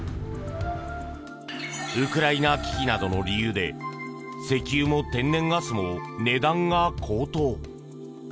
ウクライナ危機などの理由で石油も天然ガスも値段が高騰。